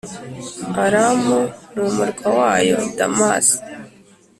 Aramu n’umurwa wayo, Damasi